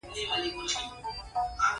خلک یې متمدن او ښکلي دي.